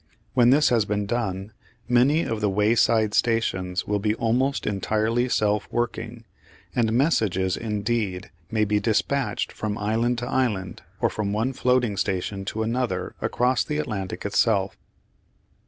When this has been done, many of the wayside stations will be almost entirely self working, and messages, indeed, may be despatched from island to island, or from one floating station to another across the Atlantic itself.